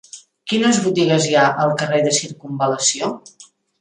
Quines botigues hi ha al carrer de Circumval·lació?